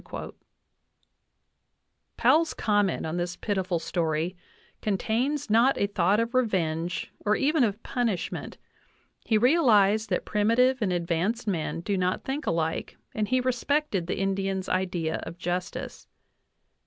Powell's comment on this pitiful story con tains not a thought of revenge or even of punishment ; he real ized that primitive and advanced men do not think alike and he respected the Indians' idea of justice.